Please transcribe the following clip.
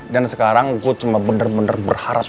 sekarang gue cuma bener bener berharap